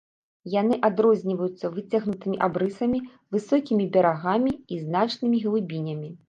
Яны адрозніваюцца выцягнутымі абрысамі, высокімі берагамі і значнымі глыбінямі.